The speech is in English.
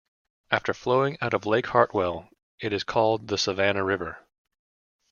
After flowing out of Lake Hartwell, it is called the Savannah River.